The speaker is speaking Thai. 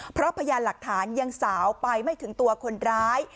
เพราะพยานหลักฐานยังสาวไปไม่ถึงตัวคนร้าย